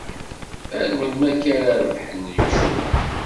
Ar melmi akka ara rebbḥen yimcumen?